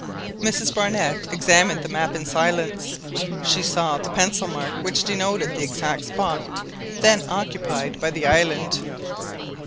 Mrs Barnett examined the map in silence. She saw the pencil mark which denoted the exact spot then occupied by the island.